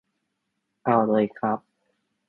เอาเลยครับ